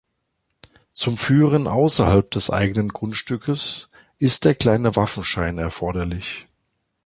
Zum Führen außerhalb des eigenen Grundstückes ist der kleine Waffenschein erforderlich.